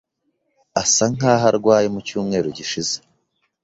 Asa nkaho arwaye mu cyumweru gishize.